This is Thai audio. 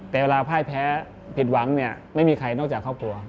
แต่เวลาพ่ายแพ้ผิดหวังเนี่ยไม่มีใครนอกจากครอบครัว